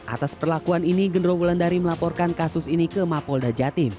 atas perlakuan ini gendro wulandari melaporkan kasus ini ke mapolda jatim